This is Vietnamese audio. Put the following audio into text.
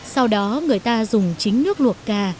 sau đó người ta dùng chính nước luộc cà